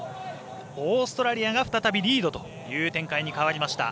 オーストラリアが再びリードという展開に変わりました。